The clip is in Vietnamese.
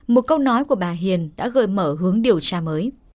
một câu nói của bà hiền đã gợi mở hướng điều tra mới